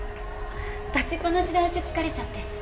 立ちっぱなしで足疲れちゃって。